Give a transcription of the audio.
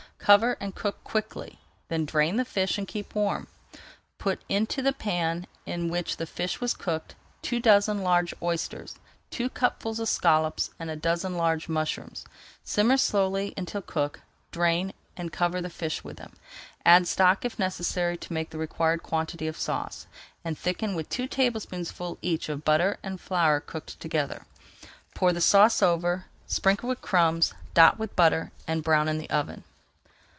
Cover and cook quickly, then drain the fish and keep warm. Put into the pan in which the fish was cooked two dozen large oysters, two cupfuls of scallops, and a dozen large mushrooms. Simmer slowly until cooked, drain, and cover the fish with them. Add stock if necessary to make the required quantity of sauce, and thicken with two tablespoonfuls each of butter and flour cooked together. Pour the sauce over, sprinkle with crumbs, dot with butter, and brown in the oven.